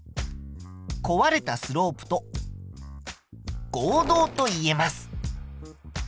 壊れたスロープと合同と言えます。